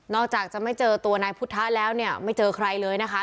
จากจะไม่เจอตัวนายพุทธะแล้วเนี่ยไม่เจอใครเลยนะคะ